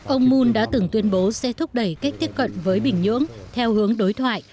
ông moon đã từng tuyên bố sẽ thúc đẩy cách tiếp cận với bình nhưỡng theo hướng đối thoại